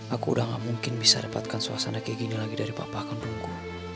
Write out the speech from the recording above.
aku udah gak mungkin bisa dapatkan suasana kayak gini lagi dari papa kandungku